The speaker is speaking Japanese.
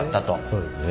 そうですね。